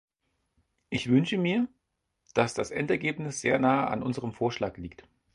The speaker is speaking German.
Ich wünsche mir, dass das Endergebnis sehr nahe an unserem Vorschlag liegt.